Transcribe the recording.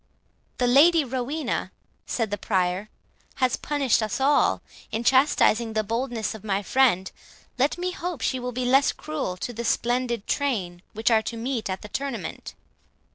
"The Lady Rowena," said the Prior, "has punished us all, in chastising the boldness of my friend. Let me hope she will be less cruel to the splendid train which are to meet at the tournament."